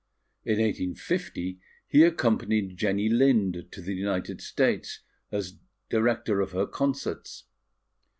In 1850, he accompanied Jenny Lind to the United States, as director of her concerts.